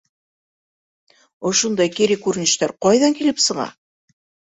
Ошондай кире күренештәр ҡайҙан килеп сыға?